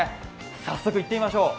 早速、行ってみましょう。